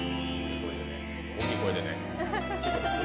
大きい声でね。